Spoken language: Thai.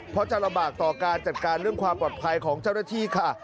เพราะจะลำบากต่อการจัดการเรื่องความปลอดภัยของเจ้าหน้าที่ค่ะ